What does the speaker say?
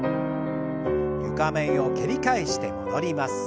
床面を蹴り返して戻ります。